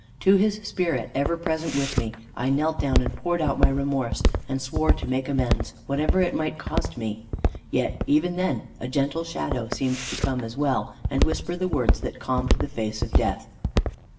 To his spirit, ever present with me, I knelt down and poured out my remorse; and swore to make amends, whatever it might cost me. Yet even then, a gentle shadow seemed to come as well, and whisper the words that calmed the face of death.